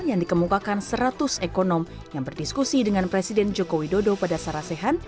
yang dikemukakan seratus ekonom yang berdiskusi dengan presiden joko widodo pada sarasehan